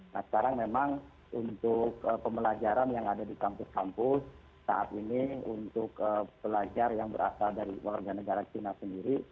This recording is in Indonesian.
nah sekarang memang untuk pembelajaran yang ada di kampus kampus saat ini untuk pelajar yang berasal dari warga negara cina sendiri